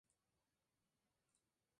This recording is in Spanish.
La emergencia la realizó el Cap.